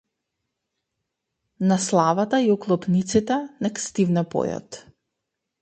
На славата, и оклопниците, нек стивне појот.